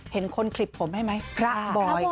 เห็นคนขลิบผมให้ไหมคระบอยค่ะ